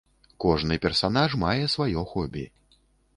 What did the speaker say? Кожны персанаж мае сваё хобі.